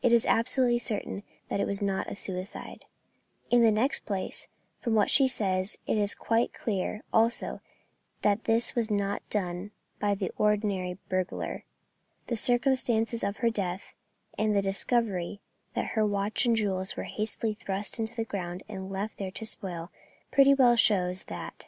"It is absolutely certain that it was not a suicide." "In the next place, from what she says, it is quite clear also that this was not done by an ordinary burglar. The circumstances of her death, and the discovery that her watch and jewels were hastily thrust into the ground and left there to spoil, pretty well shows that."